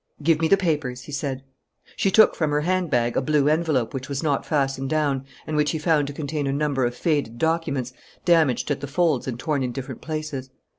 "Give me the papers," he said. She took from her handbag a blue envelope which was not fastened down and which he found to contain a number of faded documents, damaged at the folds and torn in different places.